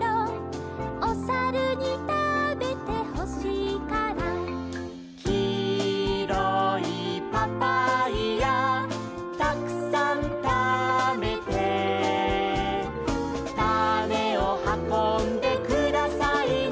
「おさるにたべてほしいから」「きいろいパパイヤたくさんたべて」「たねをはこんでくださいな」